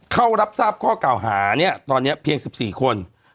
เข้ารับทราบข้อเก่าหาเนี่ยตอนนี้เพียง๑๔คน